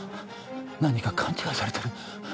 何か勘違いされてる。